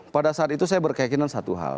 pada saat itu saya berkeyakinan satu hal